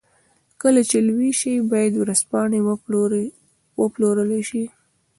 کله چې لوی شي بايد ورځپاڼې وپلورلای شي.